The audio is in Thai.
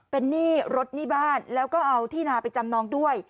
เป็นหนี้รถหนี้บ้านแล้วก็เอาที่นาไปจำนองด้วย